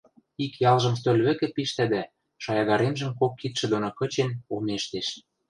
Ик ялжым стӧл вӹкӹ пиштӓ дӓ, шаягаремжӹм кок кидшӹ доно кычен, омештеш.